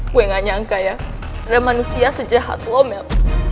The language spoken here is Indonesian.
gue gak nyangka ya ada manusia sejahat lo mel